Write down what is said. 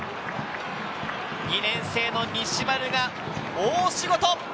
２年生の西丸が大仕事。